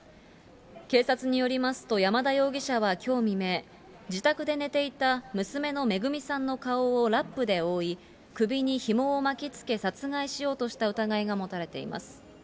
警察によりますと山田容疑者はきょう未明、自宅で寝ていた娘のめぐみさんの顔をラップで覆い、首にひもを巻きつけ殺害しようとした疑いが持たれています。